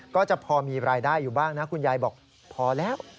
ก็จะพอมีรายได้อยู่บ้างนะคุณยายบอกพอแล้ว